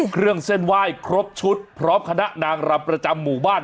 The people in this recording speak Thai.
เครื่องเส้นไหว้ครบชุดพร้อมคณะนางรำประจำหมู่บ้าน